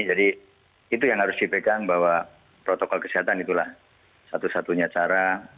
jadi itu yang harus dipegang bahwa protokol kesehatan itulah satu satunya cara